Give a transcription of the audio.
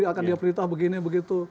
akan diperintah begini begitu